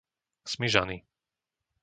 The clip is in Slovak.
Smižany